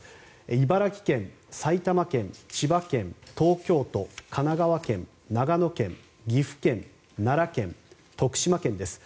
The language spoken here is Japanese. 茨城県、埼玉県、千葉県東京都、神奈川県、長野県岐阜県、奈良県、徳島県です。